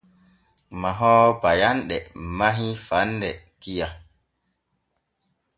Mahoowo payanɗe mahii faande kiya.